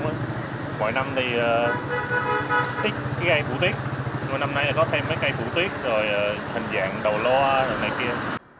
mỗi năm thì thích cây phủ tiết nhưng mà năm nay là có thêm mấy cây phủ tiết rồi hình dạng đầu loa rồi này kia